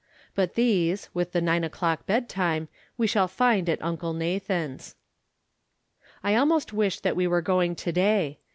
But these, with the nine o'clock bedtime, we shall find at Uncle Na than's. I almost wish that we were going to day.